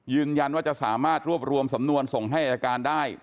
ยืนยันว่าจะสามารถรวบรวมสำนวนส่งให้อายการได้